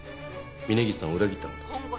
峰岸さんを裏切ったこと。